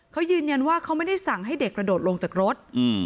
เขายืนยันว่าเขาไม่ได้สั่งให้เด็กกระโดดลงจากรถ